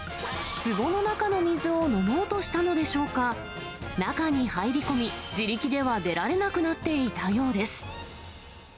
つぼの中の水を飲もうとしたのでしょうか、中に入り込み、自力では出られなくなっていたようです。